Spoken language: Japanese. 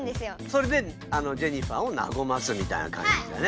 それであのジェニファーをなごますみたいな感じだね。